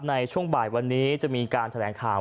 ในช่วงบ่ายวันนี้จะมีการแถลงข่าว